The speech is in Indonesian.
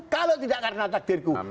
kalau tidak karena takdirku